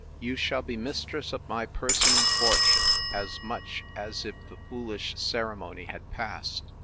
You shall be mistress of my person and fortune, as much as if the foolish ceremony had passed.